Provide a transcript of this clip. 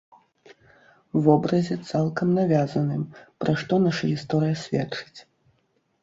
Вобразе цалкам навязаным, пра што наша гісторыя сведчыць.